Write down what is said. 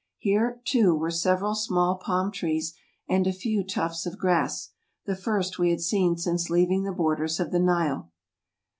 Here, too, were several small palm trees, and a few tufts of grass, the first we had seen since leaving the borders of the Nile.